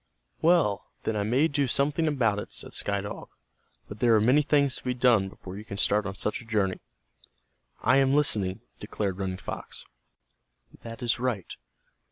"Well, then I may do something about it," said Sky Dog. "But there are many things to be done before you can start on such a journey." "I am listening," declared Running Fox. "That is right.